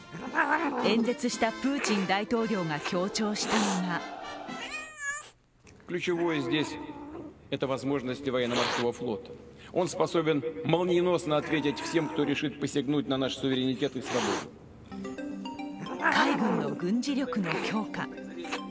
演説したプーチン大統領が強調したのが海軍の軍事力の強化。